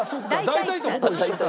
「大体」と「ほぼ」一緒か。